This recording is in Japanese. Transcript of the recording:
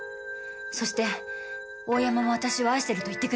そして大山も私を愛してると言ってくれたんです。